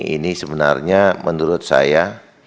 ini sebenarnya menurut saya